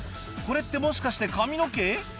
これってもしかして髪の毛？